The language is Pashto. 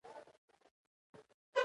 هغه د ټیم د کړو وړو مسؤل دی.